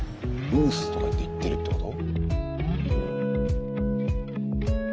「うっす」とかって言ってるってこと？